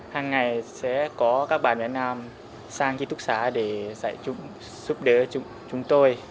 hàng ngày sẽ có các bạn việt nam sang ký túc xá để giúp đỡ chúng tôi